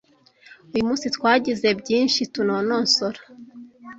Uyu munsi twagize byinshi tunonosora.